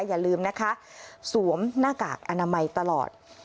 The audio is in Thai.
อย่าลืมนะคะสวมหน้ากากอนามัยตลอด